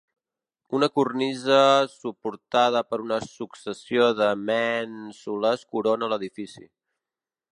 Una cornisa suportada per una successió de mènsules corona l'edifici.